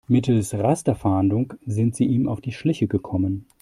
Mittels Rasterfahndung sind sie ihm auf die Schliche gekommen.